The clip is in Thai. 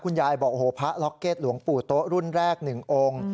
ยายบอกโอ้โหพระล็อกเก็ตหลวงปู่โต๊ะรุ่นแรก๑องค์